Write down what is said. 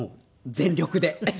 全力で。